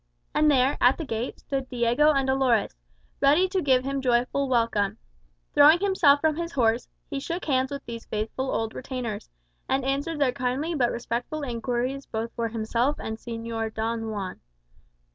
And there, at the gate, stood Diego and Dolores, ready to give him joyful welcome. Throwing himself from his horse, he shook hands with these faithful old retainers, and answered their kindly but respectful inquiries both for himself and Señor Don Juan.